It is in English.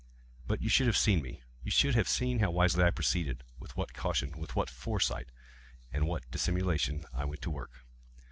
But you should have seen me. You should have seen how wisely I proceeded—with what caution—with what foresight—with what dissimulation I went to work!